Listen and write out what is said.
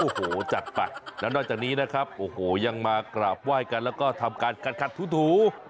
โอ้โหจัดไปแล้วนอกจากนี้นะครับโอ้โหยังมากราบไหว้กันแล้วก็ทำการขัดถู